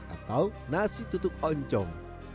atau nasi tutup oncom